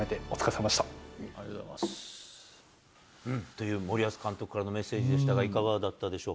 いう森保監督からのメッセージでしたが、いかがだったでしょう。